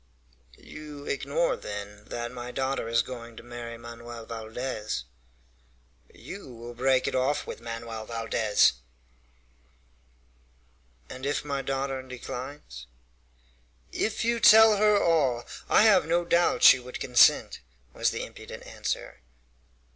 "You ignore, then, that my daughter is going to marry Manoel Valdez?" "You will break it off with Manoel Valdez!" "And if my daughter declines?" "If you tell her all, I have no doubt she would consent," was the impudent answer.